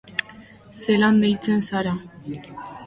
Zelan deitzen zara?